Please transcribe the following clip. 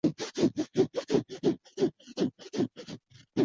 圣科斯米是葡萄牙波尔图区的一个堂区。